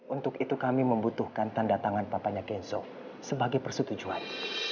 untuk itu kami membutuhkan tanda tangan papanya kenzo sebagai persetujuan